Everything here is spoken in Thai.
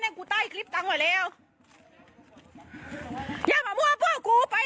อืมพูดเจ้าดีพูดเจ้าบ้านก็เป็นหนึ่งลงโมงมากมากอยู่ว่า